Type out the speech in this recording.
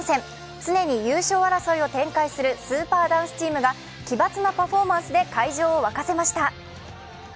常に優勝争いを展開するスーパーダンスチームがド派手なパフォーマンスで会場を沸かせました。